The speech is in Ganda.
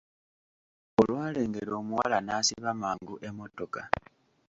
Olwalengera omuwala n'asiba mangu emmotoka.